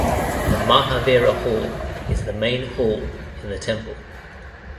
The Mahavira Hall is the main hall in the temple.